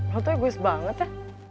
lo tuh egois banget ya